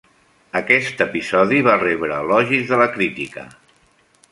Aquest episodi va rebre elogis de la crítica.